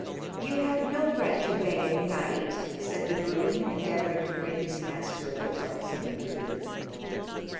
"You have no right to beg at night," said the groom, endeavoring to rid his master of the troublesome intruder.